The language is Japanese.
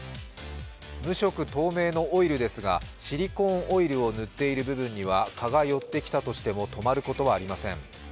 無色透明のオイルですがシリコンオイルを塗っている部分には蚊が寄ってきたとしても止まることはありません。